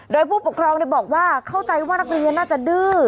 โดยผู้ปกครองบอกว่าเข้าใจว่านักเรียนน่าจะดื้อ